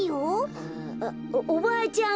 「おばあちゃん